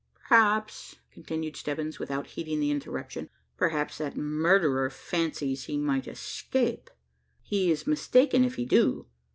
"Perhaps," continued Stebbins, without heeding the interruption, "perhaps that murderer fancies he might escape. He is mistaken if he do.